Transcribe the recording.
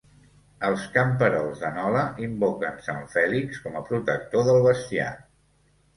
Els camperols de Nola invoquen sant Fèlix com a protector del bestiar.